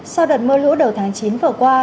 sau đợt mưa lũ đầu tháng chín vừa qua